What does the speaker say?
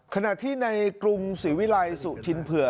ขณะที่ในกรุงศรีวิลัยสุชินเผื่อ